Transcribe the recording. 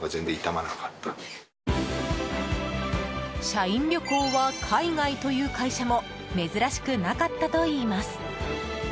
社員旅行は海外という会社も珍しくなかったといいます。